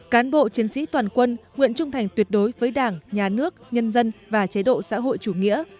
cán bộ chiến sĩ toàn quân nguyện trung thành tuyệt đối với đảng nhà nước nhân dân và chế độ xã hội chủ nghĩa